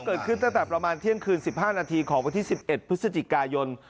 เกิดขึ้นตั้งแต่ประมาณเที่ยงคืน๑๕นาทีของวันที่๑๑พฤศจิกายน